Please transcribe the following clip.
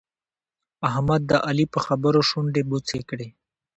احمد د علي په خبرو شونډې بوڅې کړې.